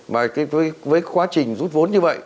mà với quá trình rút vốn như vậy